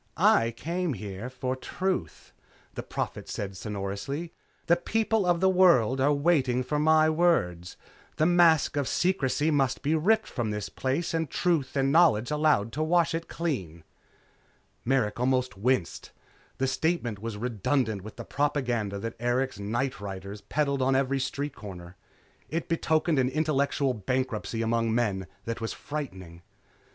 "I came for truth," the Prophet said sonorously. "The people of the world are waiting for my words. The mask of secrecy must be ripped from this place and truth and knowledge allowed to wash it clean." Merrick almost winced. The statement was redundant with the propaganda that Erikson's nightriders peddled on every street corner. It betokened an intellectual bankruptcy among men that was frightening.